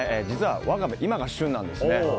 実はワカメ、今が旬なんですね。